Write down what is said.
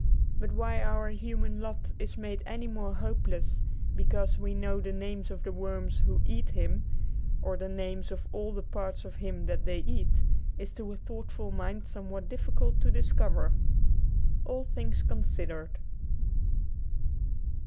But why our human lot is made any more hopeless because we know the names of the worms who eat him, or the names of all the parts of him that they eat, is to a thoughtful mind somewhat difficult to discover. ''All Things Considered.